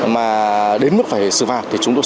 mà đến mức phải xử phạt thì chúng tôi